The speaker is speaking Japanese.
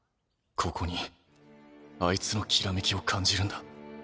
ここにあいつの煌めきを感じるんだ。